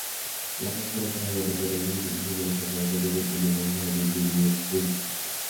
ঘটনাপরম্পরা আমাদের মনে অনুভূত বিষয়গুলির সঙ্গে অপরিবর্তনীয়ভাবে জড়িত থাকে।